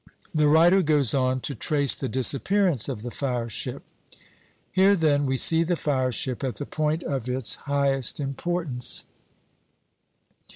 The writer goes on to trace the disappearance of the fire ship: "Here then we see the fire ship at the point of its highest importance.